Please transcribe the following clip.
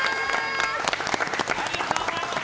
ありがとうございます。